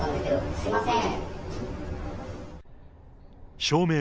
すみません。